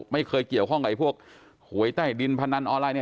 ไม่เคยเกี่ยวข้องกับพวกหวยใต้ดินพนันออนไลน์เนี่ย